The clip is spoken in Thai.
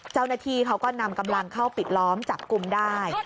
เจ้าหน้าที่เขาก็นำกำลังเข้าปิดล้อมจับกลุ่มได้